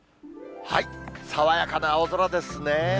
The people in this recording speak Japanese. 爽やかな青空ですね。